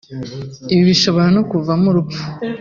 ibi bishobora no kuvamo urupfu